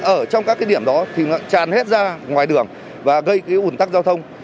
ở trong các điểm đó thì tràn hết ra ngoài đường và gây ủn tắc giao thông